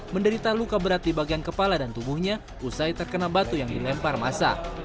menderita luka berat di bagian kepala dan tubuhnya usai terkena batu yang dilempar masa